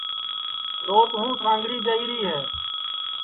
دؔوت ہوں سانگھڑی جائیری ہے